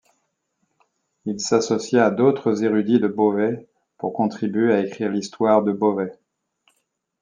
Il s'associa a d'autres érudits de Beauvais pour contribuer à écrire l'histoire de Beauvais.